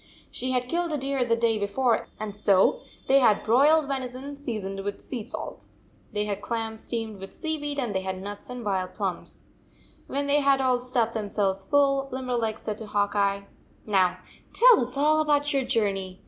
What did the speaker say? She had killed a deer the day before, and so they had broiled venison, seasoned with sea salt. They had clams steamed with sea weed, and they had nuts and wild plums. When they had all stuffed themselves full, Limberleg said to Hawk Eye: "Now tell us all about your journey.